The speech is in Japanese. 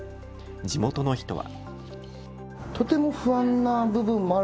地元の人は。